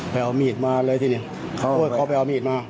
ไปเอามีดมาเลยทีนี้เขาไปเอามีดมา